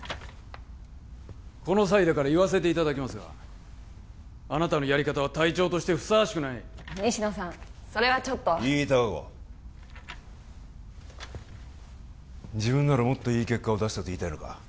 この際だから言わせていただきますがあなたのやり方は隊長としてふさわしくない西野さんそれはちょっといい隆子自分ならもっといい結果を出せたと言いたいのか？